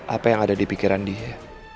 apa yang ada di pikiran dia